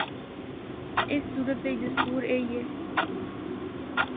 اس صورت وچ دستور ایہا۔